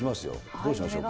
どうしましょうか。